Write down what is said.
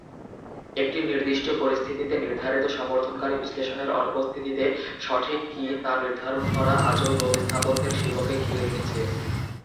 একটি নির্দিষ্ট পরিস্থিতিতে নির্ধারিত সমর্থনকারী বিশ্লেষণের অনুপস্থিতিতে 'সঠিক' কী তা নির্ধারণ করা আজও নৌ স্থাপত্যের শিল্পকে ঘিরে রেখেছে।